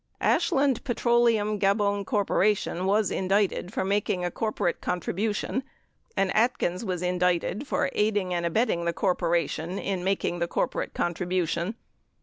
49 Ashland Petroleum Gabon Corp. was indicted for making a cor porate contribution, and Atkins was indicted for aiding and abetting the corporation in making the corporate contribution.